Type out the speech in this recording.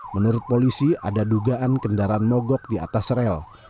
menurut polisi ada dugaan kendaraan mogok di atas rel